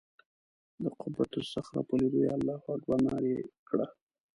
د قبة الصخره په لیدو یې الله اکبر نارې کړه.